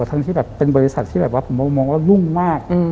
ทั้งที่เป็นบริษัทที่ผมมองว่าลุ่งมาก